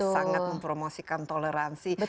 sangat mempromosikan toleransi